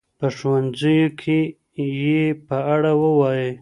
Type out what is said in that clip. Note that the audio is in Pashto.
په ښوونځیو کي یې په اړه ووایئ.